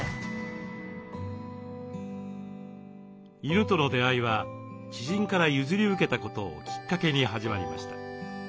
犬との出会いは知人から譲り受けたことをきっかけに始まりました。